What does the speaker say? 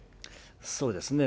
そうですね。